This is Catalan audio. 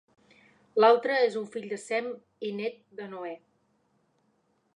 L'altre és un fill de Sem i nét de Noè.